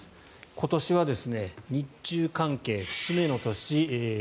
今年は日中関係節目の年。